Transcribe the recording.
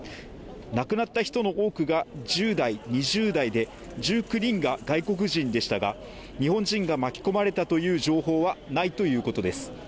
亡くなった人の多くが１０代、２０代で１９人が外国人でしたが、日本人が巻き込まれたという情報はないということです。